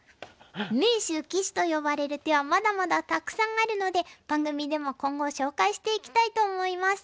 名手・鬼手と呼ばれる手はまだまだたくさんあるので番組でも今後紹介していきたいと思います。